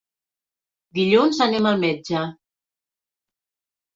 Dilluns anem al metge.